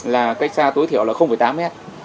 là cách xa tối thiểu là tám m